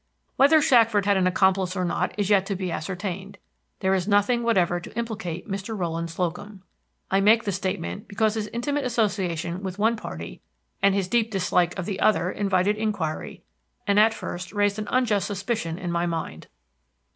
"Whether Shackford had an accomplice or not is yet to be ascertained. There is nothing whatever to implicate Mr. Rowland Slocum. I make the statement because his intimate association with one party and his deep dislike of the other invited inquiry, and at first raised an unjust suspicion in my mind."